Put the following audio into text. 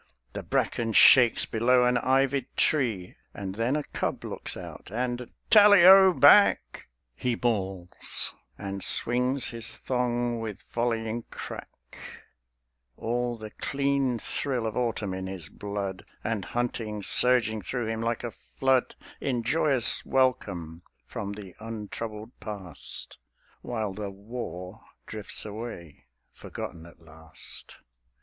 The bracken shakes below an ivied tree, And then a cub looks out; and "Tally o back!" He bawls, and swings his thong with volleying crack, All the clean thrill of autumn in his blood, And hunting surging through him like a flood In joyous welcome from the untroubled past; While the war drifts away, forgotten at last.